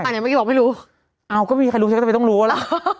อ่าเนี่ยเมื่อกี้บอกไม่รู้อ้าวก็มีใครรู้ฉันก็ไม่ต้องรู้แล้ว